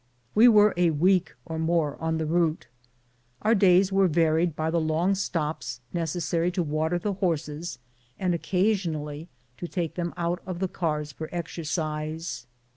We were a week or more on the route. Our daj^s were varied by the long stops necessary to water the horses, and occasionally to take them out of the cars for exercise.